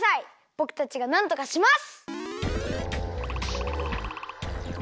ぼくたちがなんとかします！